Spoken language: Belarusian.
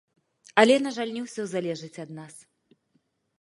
Але, на жаль, не ўсё залежыць ад нас.